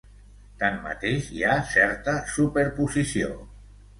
Tanmateix, hi ha certa superposició.